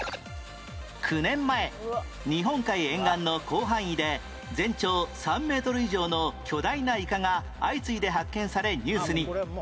９年前日本海沿岸の広範囲で全長３メートル以上の巨大なイカが相次いで発見されニュースに